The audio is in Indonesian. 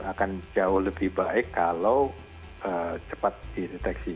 akan jauh lebih baik kalau cepat dideteksi